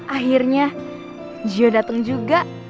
akhirnya gio dateng juga